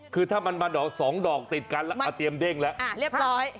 เข้าไปเชิดมาเรียบร้อย